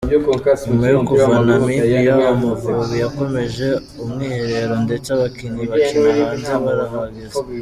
Nyuma yo kuva Namibia, Amavubi yakomeje umwiherero ndetse abakinnyi bakina hanze barahageze.